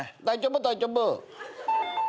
大丈夫大丈夫。